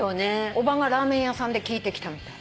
おばがラーメン屋さんで聞いてきたみたい。